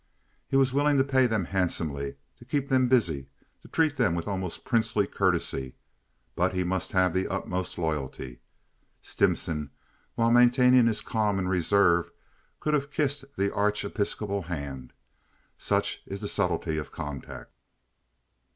He was willing to pay them handsomely, to keep them busy, to treat them with almost princely courtesy, but he must have the utmost loyalty. Stimson, while maintaining his calm and reserve, could have kissed the arch episcopal hand. Such is the subtlety of contact.